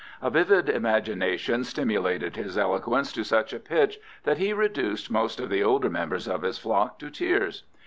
A vivid imagination stimulated his eloquence to such a pitch that he reduced most of the older members of his flock to tears.